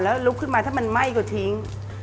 แล้วลุกขึ้นมาถ้ามันไหม้ก็ทิ้ง